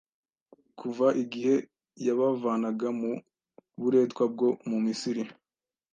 kuva igihe yabavanaga mu buretwa bwo mu Misiri